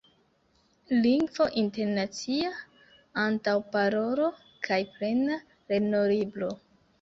Lingvo Internacia, Antaŭparolo kaj Plena Lernolibro.